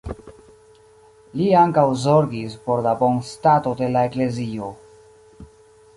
Li ankaŭ zorgis por la bonstato de la eklezio.